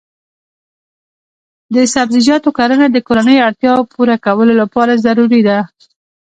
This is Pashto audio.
د سبزیجاتو کرنه د کورنیو اړتیاوو پوره کولو لپاره ضروري ده.